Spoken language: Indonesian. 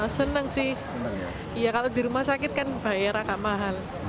senang sih ya kalau di rumah sakit kan bayar agak mahal